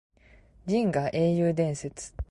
銀河英雄伝説